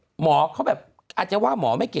คุณหนุ่มกัญชัยได้เล่าใหญ่ใจความไปสักส่วนใหญ่แล้ว